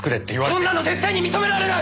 そんなの絶対に認められない！